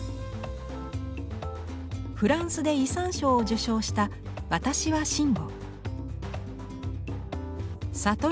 フランスで遺産賞を受賞した「わたしは真悟」。